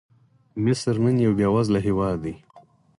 مصر نن یو بېوزله هېواد دی.